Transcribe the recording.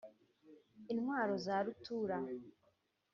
intwaro za rutura